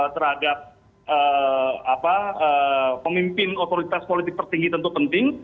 terhadap pemimpin otoritas politik tertinggi tentu penting